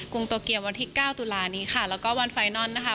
งโตเกียววันที่เก้าตุลานี้ค่ะแล้วก็วันไฟนอนนะคะ